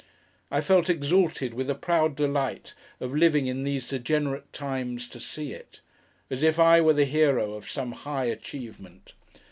I felt exalted with the proud delight of living in these degenerate times, to see it. As if I were the hero of some high achievement!